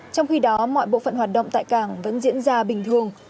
trong khi đó mọi bộ phận hoạt động tại cảng vẫn diễn ra bình thường